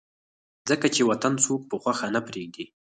ځکه چې وطن څوک پۀ خوښه نه پريږدي